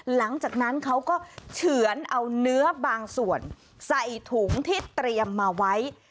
หลังจากนั้นเขาก็เฉือนเอาเนื้อบางส่วนใส่ถุงที่เตรียมมาไว้